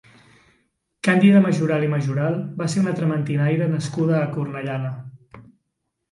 Càndida Majoral i Majoral va ser una trementinaire nascuda a Cornellana.